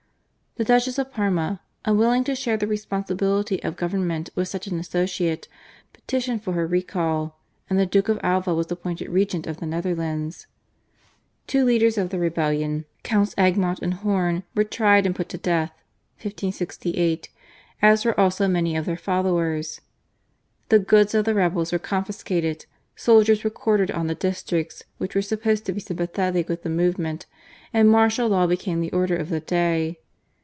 The Duchess of Parma, unwilling to share the responsibility of government with such an associate, petitioned for her recall, and the Duke of Alva was appointed regent of the Netherlands. Two leaders of the rebellion, Counts Egmont and Horn, were tried and put to death (1568), as were also many of their followers. The goods of the rebels were confiscated, soldiers were quartered on the districts which were supposed to be sympathetic with the movement, and martial law became the order of the day.